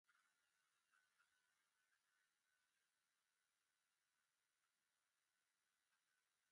Halere, horregatik haurren ustezko lapurretak izan zirela ondorioztatu ezin dela adierazi du.